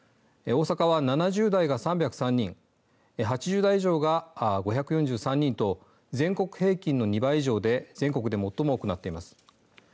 大阪は７０代が３０３人８０代以上が５４３人と全国平均の２倍以上で全国で最も多くなっています。